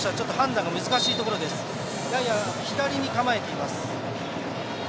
やや左に構えています。